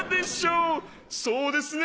「そうですね？